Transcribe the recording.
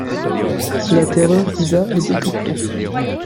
La terreur d'Ida est décuplée.